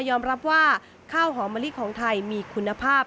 ยอมรับว่าข้าวหอมมะลิของไทยมีคุณภาพ